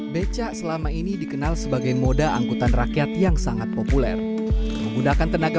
becak selama ini dikenal sebagai moda angkutan rakyat yang sangat populer menggunakan tenaga